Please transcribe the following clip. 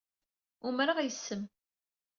Umreɣ yes-m.